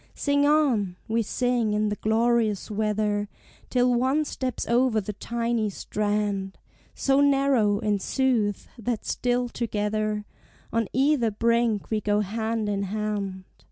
Sing on! we sing in the glorious weather, Till one steps over the tiny strand, So narrow, in sooth, that still together On either brink we go hand in hand.